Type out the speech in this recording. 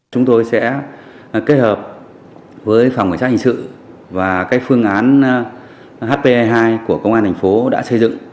chúng tôi sẽ kết hợp với phòng cảnh sát hình sự và phương án hp hai của công an thành phố đã xây dựng